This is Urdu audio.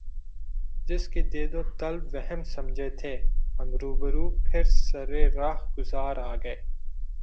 جس کی دید و طلب وہم سمجھے تھے ہم رو بہ رو پھر سر رہ گزار آ گیا